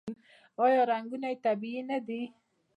آیا رنګونه یې طبیعي نه دي؟